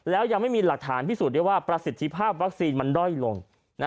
แล้วยังไม่มีหลักฐานพิสูจน์ได้ว่าประสิทธิภาพวัคซีนมันด้อยลง